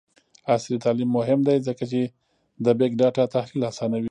عصري تعلیم مهم دی ځکه چې د بګ ډاټا تحلیل اسانوي.